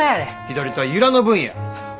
左手は由良の分や。